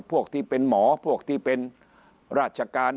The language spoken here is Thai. ที่เป็นหมอพวกที่เป็นราชการ